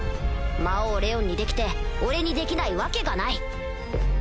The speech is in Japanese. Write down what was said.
魔王レオンにできて俺にできないわけがない！